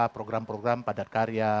program program padat karya